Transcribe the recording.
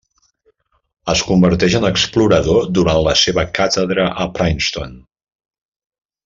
Es converteix en explorador durant la seva càtedra a Princeton.